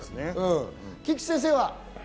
菊地先生は？